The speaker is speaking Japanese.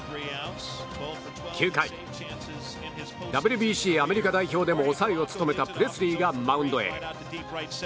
９回、ＷＢＣアメリカ代表でも抑えを務めたプレスリーがマウンドへ。